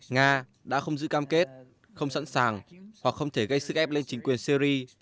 nga đã không giữ cam kết không sẵn sàng hoặc không thể gây sức ép lên chính quyền syri